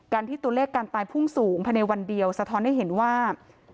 ที่ตัวเลขการตายพุ่งสูงภายในวันเดียวสะท้อนให้เห็นว่า